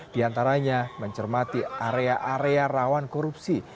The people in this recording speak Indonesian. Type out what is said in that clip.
di antaranya mencermati area area rawan korupsi